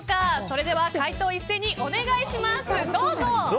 それでは回答を一斉にお願いします。